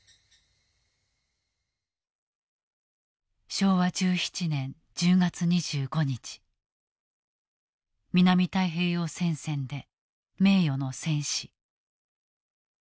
「昭和十七年十月二十五日南太平洋戦線で名誉の戦死」。